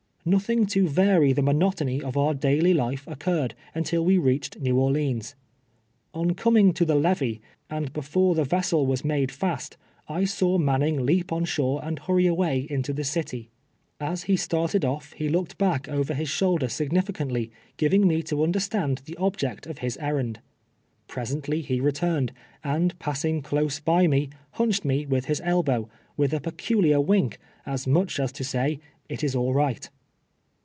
Xothing to vary the monotony of our daily life oc curred, until we reached Kew Orleans. On coming to the levee, and before the vessel was made fast, I saw Manning leap on shore and hurry away into the city. As he started oil' he looked back over his shoul der significantly, giving me to understand the object of his errand. Presently he returned, and passing close by me, hunched me with his elbow, with a pe culiar wink, as much as to say, "it is all right."